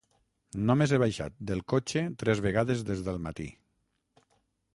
Només he baixat del cotxe tres vegades des del matí.